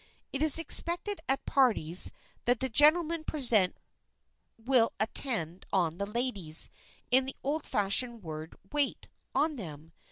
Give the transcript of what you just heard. It is expected at parties that the gentlemen present will attend on the ladies, in the old fashioned word "wait" on them.